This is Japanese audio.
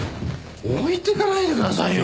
置いてかないでくださいよ。